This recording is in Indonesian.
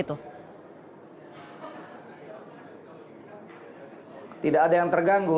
tidak ada yang terganggu